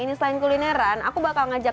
ini selain kulineran aku bakal ngajak